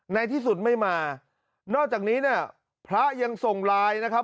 ในที่สุดไม่มานอกจากนี้เนี่ยพระยังส่งไลน์นะครับ